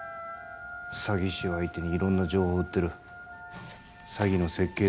詐欺師を相手に色んな情報を売ってる詐欺の設計